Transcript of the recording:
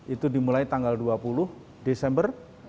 itu dimulai tanggal dua puluh desember